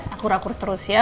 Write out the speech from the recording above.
aku rakur terus ya